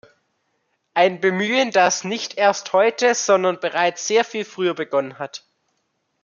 Ein Bemühen, das nicht erst heute, sondern bereits sehr viel früher begonnen hat.